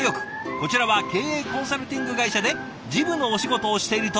こちらは経営コンサルティング会社で事務のお仕事をしているという画伯たち。